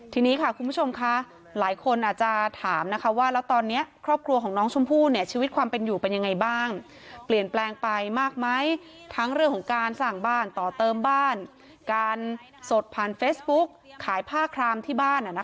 ทีนี้ค่ะคุณผู้ชมค่ะหลายคนอาจจะถามนะคะว่าแล้วตอนนี้ครอบครัวของน้องชมพู่เนี่ยชีวิตความเป็นอยู่เป็นยังไงบ้างเปลี่ยนแปลงไปมากไหมทั้งเรื่องของการสร้างบ้านต่อเติมบ้านการสดผ่านเฟซบุ๊กขายผ้าครามที่บ้าน